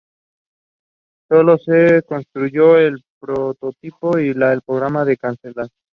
Sólo se construyó el prototipo ya que el programa fue cancelado.